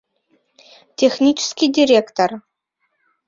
Технический директор.